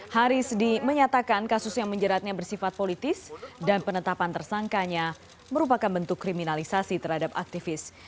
haris menyatakan kasus yang menjeratnya bersifat politis dan penetapan tersangkanya merupakan bentuk kriminalisasi terhadap aktivis